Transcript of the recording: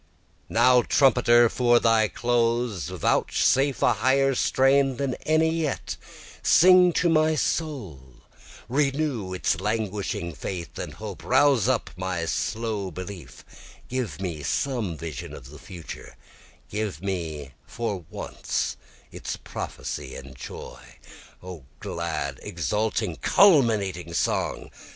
8 Now trumpeter for thy close, Vouchsafe a higher strain than any yet, Sing to my soul, renew its languishing faith and hope, Rouse up my slow belief, give me some vision of the future, Give me for once its prophecy and joy. O glad, exulting, culminating song!